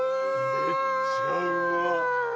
めっちゃうまっ。